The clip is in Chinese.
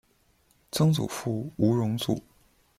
曾祖父吴荣祖。